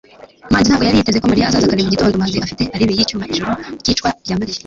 manzi ntabwo yari yiteze ko mariya azaza kare mu gitondo manzi afite alibi yicyuma ijoro ryicwa rya mariya